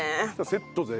セットで。